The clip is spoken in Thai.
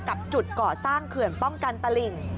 กับจุดก่อสร้างเขื่อนป้องกันตลิ่ง